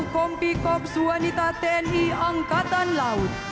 satu kompi kops wanita tni angkatan laut